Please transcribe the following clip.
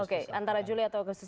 oke antara juli atau agustus